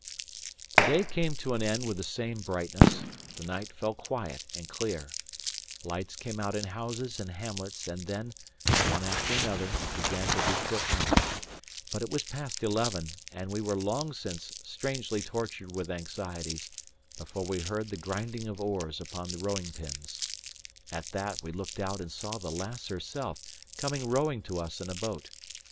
The day came to an end with the same brightness; the night fell quiet and clear; lights came out in houses and hamlets and then, one after another, began to be put out; but it was past eleven, and we were long since strangely tortured with anxieties, before we heard the grinding of oars upon the rowing pins. At that, we looked out and saw the lass herself coming rowing to us in a boat.